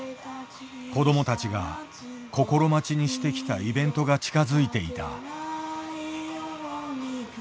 子どもたちが心待ちにしてきたイベントが近づいていた。